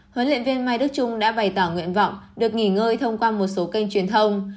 huấn luyện viên mai đức trung đã bày tỏ nguyện vọng được nghỉ ngơi thông qua một số kênh truyền thông